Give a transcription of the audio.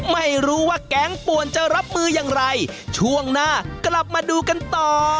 ไม่รู้ว่าแก๊งป่วนจะรับมืออย่างไรช่วงหน้ากลับมาดูกันต่อ